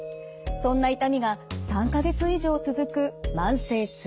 そんな痛みが３か月以上続く慢性痛。